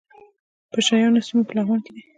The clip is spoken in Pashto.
د پشه یانو سیمې په لغمان کې دي